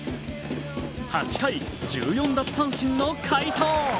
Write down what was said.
８回１４奪三振の快投。